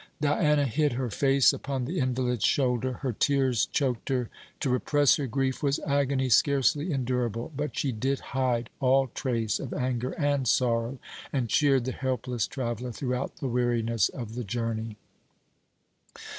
Diana hid her face upon the invalid's shoulder. Her tears choked her. To repress her grief was agony scarcely endurable. But she did hide all trace of anger and sorrow, and cheered the helpless traveller throughout the weariness of the journey.